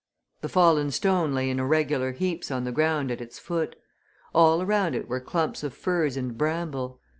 The fallen stone lay in irregular heaps on the ground at its foot; all around it were clumps of furze and bramble.